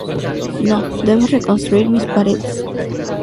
No, debes reconstruir mis paredes".